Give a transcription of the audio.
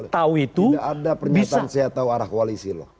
tidak ada pernyataan saya tahu arah koalisi loh